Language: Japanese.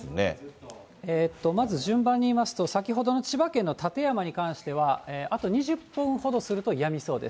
まず順番に言いますと、先ほどの千葉県の館山に関しては、あと２０分ほどするとやみそうです。